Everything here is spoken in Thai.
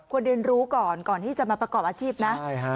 เรียนรู้ก่อนก่อนที่จะมาประกอบอาชีพนะ